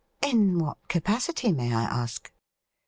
' In what capacity, may I ask